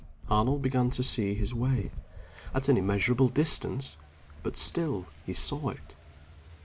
_ Arnold began to see his way. At an immeasurable distance but still he saw it.